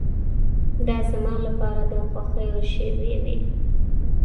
دا زما لپاره د خوښیو شېبې وې.